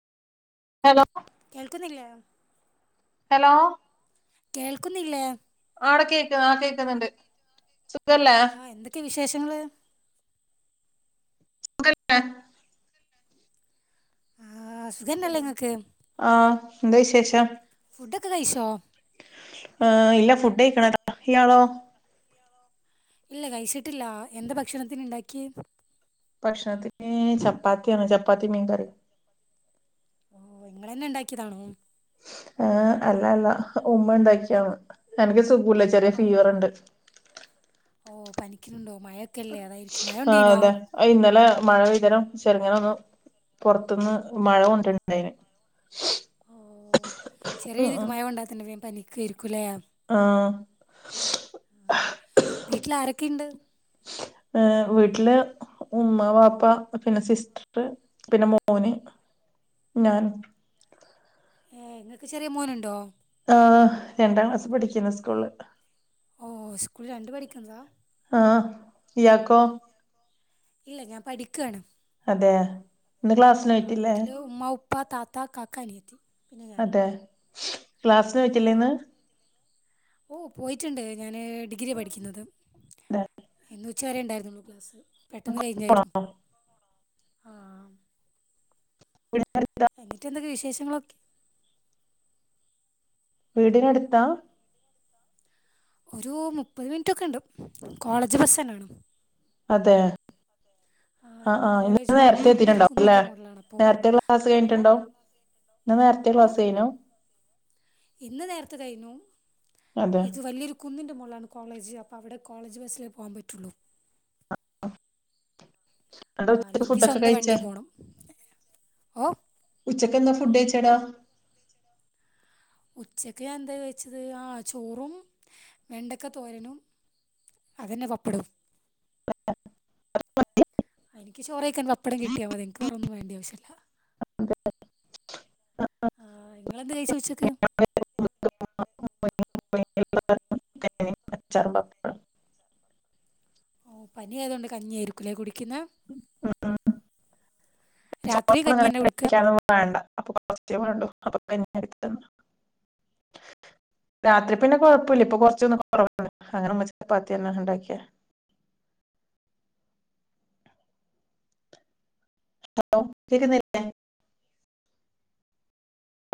Hello കേൾക്കുന്നില്ലേ hello കേൾക്കുന്നല്ലേ ആട കേക്കുന്ന ആ കേക്കുന്നുണ്ട് സുഖല്ലേ ആ എന്തൊക്കെ വിശേഷങ്ങൾ സുഖല്ലെ ആഹ് സുഖന്നല്ലേ എങ്ങക്ക് എന്ത വിശേഷം ഫുഡൊക്കെ കഴിച്ചോ അ -ഇല്ല ഫുഡ് കഴിക്കണ ഇയാളോ ഇല്ല കഴിച്ചിട്ടില്ല എന്താ ഭക്ഷണത്തിന് ഇണ്ടാക്കി ഭക്ഷണത്തി ചപ്പാത്തിയാണ് ചപ്പാത്തി മീൻകറി ഓ ഇങ്ങളെന്നെ ഉണ്ടാക്കിയതാണോ ആഏ അല്ല അല്ല ഉമ്മ ഉണ്ടാക്കിയാണ് എനിക്ക് സുഖ കൂത ചെറിയ ഓ ഫീവറുണ്ട് ഓ പനിക്കലുണ്ടോ ആഹ അതെ ഇന്നലെ മഴ പെയ്തരം ചെരിങ്ങനെ ഒന്ന് പുൊറത്തുന്ന് മഴ കൊണ്ടുണ്ടയന്. മ് ചെറിയ ഉം രീതിക്ക് ഉം മഴ കൊണ്ടാത്തന്നെ വേഗം പനിക്കേർ ക്കുലെ ആഹ് വീട്ടിൽ ആരൊക്കെ ഇണ്ട്? ഏ വീട്ടില് ഉമ്മ, വാ പ്പ, പിന്നെ സിസ്റ്റര്, പിന്നെ മോന് ഞാനും ഏ് ഇങ്ങക്ക് ചെറിയ മോനുണ്ടോ? ആ രണ്ടാം ക്ലാസ് പഠിക്കുന്ന സ്കൂള്. ഓ സ്കൂളിൽ രണ്ട് പഠിക്കുന്നതാ ആഹ ഇയാക്കോ? ഇല്ല ഞാൻ പഠിക്കയാണ്. അതെ. ഇന്ന് ക്ലാസ്സിന് ആ പോയിട്ടില്ലേ വീട്ടില് ഉമ്മ, ഉപ്പ, താത്ത, കാക്ക, അനിയത്തി പിന്നെ ഞാന്. അതെ ക്ലാസ്സിന് പോയ ട്ടില്ലെന്ന് ഓ പോയിട്ടുണ്ട് ഞാന് ഡിഗ്രി പഠിക്കുന്നത്. അതെ ഇന്ന് ഉച്ച വരെ ഉണ്ടാർന്നൊള്ളു ക്ലാസ്സ്‌. പെട്ടെന്ന് പോണോ കഴിഞ്ഞായിരുന്നു ആഹ. [inaudible] എന്നിട്ട് എന്തൊക്കെ വിശേഷങ്ങളൊക്കെ. വീടിനടുത്താ ഒരു മുപ്പത് മിനിറ്റൊക്കെ ഉണ്ട് കോളേജ് ബസ് തന്നെ ആണ്. അതെ [inaudible] ആഹ് ആഹ് ഇന്ന കോളേജ് ഒരു നേരത്തെ വലിയൊരു എത്തിട്ടുണ്ടാവും അല്ലെ കുന്നിൻ്റെ മുകളിലാണ് അപ്പോൾ നേരത്തെ ക്ലാസ്സ് ഓ കഴിഞ്ഞിട്ടുണ്ടോ. ഇന്ന് നേരെത്തെ ഏ ക്ലാസ് ആയിരുന്നു ഇന്ന് നേരത്തെ കഴിഞ്ഞു അതെ ഇത് വലിയൊരു കുന്നിന്റെ മോളിലാണ് കോളേജ് അപ്പൊ അവിടെ കോളേജ് ബസിലേ പോകാൻ പറ്റുള്ളു. സ്വന്തം വണ്ടി പോകണം [unintelligible] ഓ [unintelligible] ഉച്ചക്ക് ഞാൻ എന്താ കയ്ച്ചത് ആ ചോറും വെണ്ടക്ക തോരനും അതന്നെ വപ്പടും. എനിക്ക് ചോറെയ്ക്കാൻ പപ്പടം കിട്ടിയാൽ മതി എനിക്ക് വേറൊന്നും വേണ്ടിയ ആവശ്യല്ല. ആ ഇങ്ങളെന്തെ കയ്ച്ചു ഉച്ചക്ക് [unintelligible] ഓ പനിിയായതുകൊണ്ട് കഞ്ഞിയ ആായിരിക്കു ലേ കുടി രാത്രി കഞ്ഞി തന്നെ കുടിക്കുക [unintelligible] [unintelligible] [inaudible] രാത്രി പിന്നെ കൊഴപ്പമില്ല ഇപ്പൊ കൊറച്ചൊന്നും കൊറവണ്ട് അങ്ങനെമ്മ ചപ്പാത്തി തന്നെ ഉണ്ടാക്കിയെ ഹലോ കേക്കുന്നില്ലേ